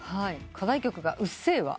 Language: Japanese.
課題曲が『うっせぇわ』